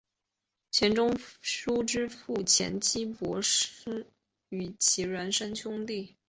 钱钟书之父钱基博是其孪生兄弟。